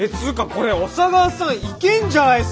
これ小佐川さんいけんじゃないすか。